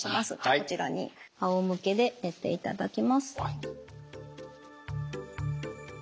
こちらにあおむけで寝ていただきます。